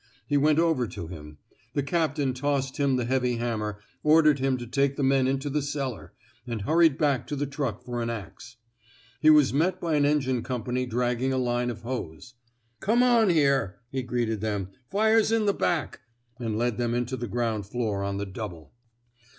He went over to him. The captain tossed him the heavy hammer, ordered him to take the men into the cellar, and hurried back to the truck for an ax. He was met by an engine company dragging a line of hose. " Come on here,'* he greeted them. Fire's in the back; '* and led them into the ground floor on the double.